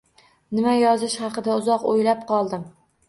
Nima yozish haqida uzoq o`ylab qoldim